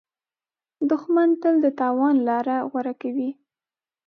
دښمن تل د تاوان لاره غوره کوي